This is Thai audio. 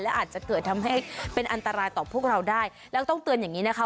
อาจจะเกิดทำให้เป็นอันตรายต่อพวกเราได้แล้วต้องเตือนอย่างนี้นะคะ